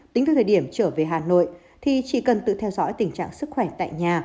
tính từ thời điểm trở về hà nội thì chỉ cần tự theo dõi tình trạng sức khỏe tại nhà